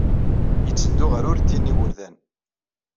Yetteddu ɣer wurti n yigerdan.